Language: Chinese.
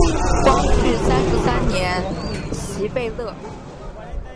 光绪三十三年袭贝勒。